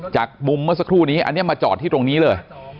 จากมุมเมื่อสักครู่นี้อันนี้มาจอดที่ตรงนี้เลย